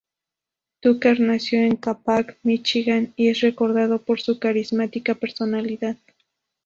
Tucker nació en Capac, Míchigan, y es recordado por su carismática personalidad.